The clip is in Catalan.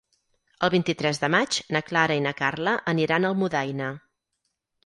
El vint-i-tres de maig na Clara i na Carla aniran a Almudaina.